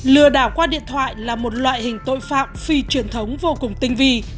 lừa đảo qua điện thoại là một loại hình tội phạm phi truyền thống vô cùng tinh vi